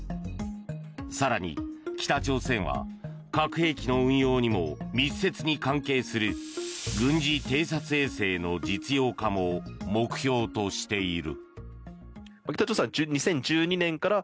更に、北朝鮮は核兵器の運用にも密接に関係する軍事偵察衛星の実用化も目標としている。